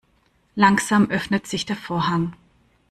Langsam öffnet sich der Vorhang.